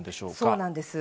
そうなんです。